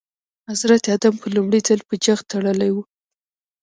حضرت ادم په لومړي ځل په جغ تړلي وو.